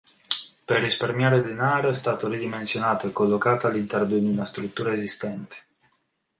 Per risparmiare denaro è stato ridimensionato e collocato all'interno di una struttura esistente.